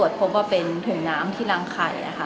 หุ่นน้ำที่รังไข่